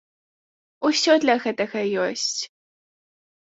Усё для гэтага ёсць!